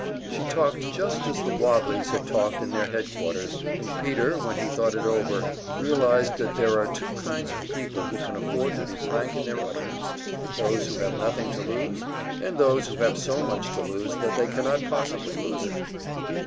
She talked just as the "wobblies" had talked in their headquarters; and Peter, when he thought it over, realized that there are two kinds of people who can afford to be frank in their utterance those who have nothing to lose, and those who have so much to lose that they cannot possibly lose it.